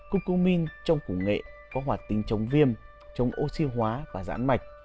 cucumin trong củ nghệ có hoạt tính chống viêm chống oxy hóa và giãn mạch